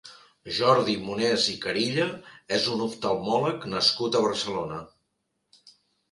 Jordi Monés i Carilla és un oftalmòleg nascut a Barcelona.